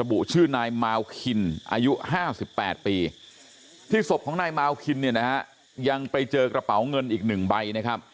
ระบุชื่อนายมาลคินอายุ๕๘ปีที่ศพของนายมาลคินยังไปเจอกระเป๋าเงินอีก๑ใบ